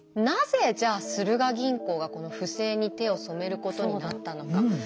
なぜじゃあスルガ銀行がこの不正に手を染めることになったのか。